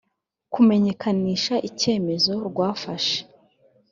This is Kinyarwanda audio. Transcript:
kumenyekanisha icyemezo rwafashe